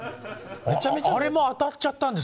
あれも当たっちゃったんですか？